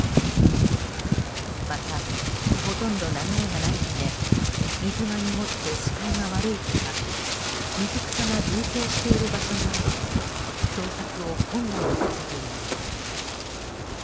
また、ほとんど流れがないため水が濁って視界が悪いほか水草が群生している場所があり捜索を困難にさせています。